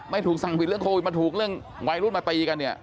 ไม่ถูกสั่งผิดเรื่องโควิดมาถูกเรื่องวัยรุ่นมาตีกันเนี่ย